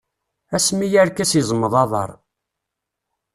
Asmi arkas izmeḍ aḍar.